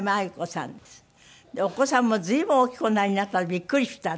でお子さんも随分大きくおなりになったんでびっくりした私。